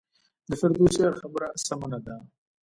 د فردوسي هغه خبره هم سمه نه ده.